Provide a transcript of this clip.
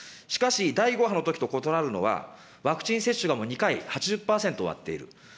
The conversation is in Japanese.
しかし、第５波のときと異なるのは、ワクチン接種がもう２回、８０％終わっている。